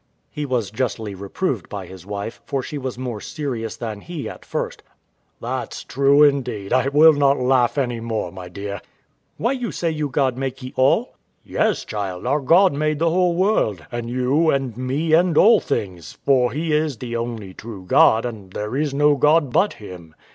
[He was justly reproved by his wife, for she was more serious than he at first.] W.A. That's true, indeed; I will not laugh any more, my dear. Wife. Why you say you God makee all? W.A. Yes, child, our God made the whole world, and you, and me, and all things; for He is the only true God, and there is no God but Him.